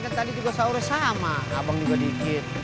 kan tadi juga sahur sama abang juga dikit